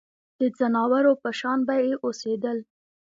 د ځناورو په شان به یې اوسېدل.